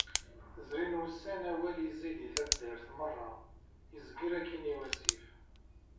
Zrin wussan awal yezzi-d i taddar, merra. Yezger akin i wasif.